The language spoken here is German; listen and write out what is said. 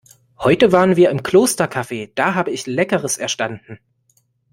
Heute waren wir im Klostercafe, da habe ich Leckeres erstanden.